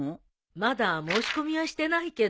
まだ申し込みはしてないけど。